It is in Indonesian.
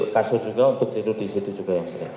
kasur juga untuk tidur disitu juga